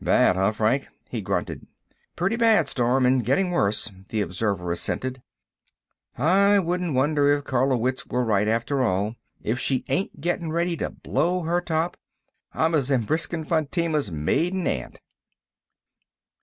"Bad, huh, Frank?" he grunted. "Plenty bad, Storm, and getting worse," the observer assented. "I wouldn't wonder if Carlowitz were right, after all—if she ain't getting ready to blow her top I'm a Zabriskan fontema's maiden aunt."